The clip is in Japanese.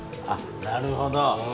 なるほど。